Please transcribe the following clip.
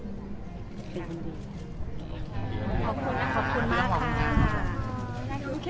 ขอบคุณมากขอบคุณมากค่ะขอบคุณมากค่ะขอบคุณมากค่ะขอบคุณมากค่ะ